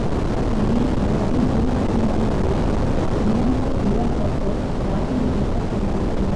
மே அல்லது ஜூன் திங்கள்களில் நிலங்கள் உழப்பட்டு, இராகி விதைக்கப்படுகிறது.